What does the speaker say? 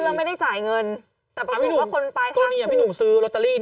ไม่สมมุติว่าหนูเป็นคนซื้อ